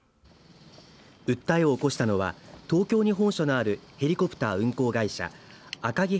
訴えを起こしたのは東京に本社のあるヘリコプター運航会社アカギ